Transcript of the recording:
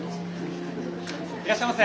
いらっしゃいませ！